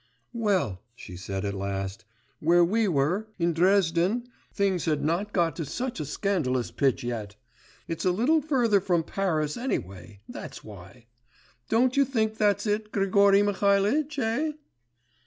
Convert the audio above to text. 'Well,' she said at last, 'where we were, in Dresden, things had not got to such a scandalous pitch yet. It's a little further from Paris, anyway, that's why. Don't you think that's it, Grigory Mihalitch, eh?